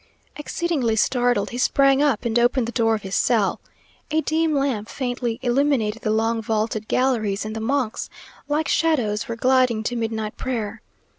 Exceedingly startled, he sprang up, and opened the door of his cell. A dim lamp faintly illuminated the long vaulted galleries, and the monks, like shadows, were gliding to midnight prayer.